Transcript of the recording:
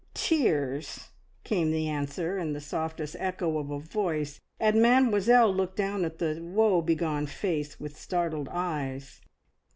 "T tears!" came the answer in the softest echo of a voice, and Mademoiselle looked down at the woe begone face with startled eyes.